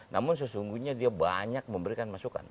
namun sesungguhnya dia banyak memberikan masukan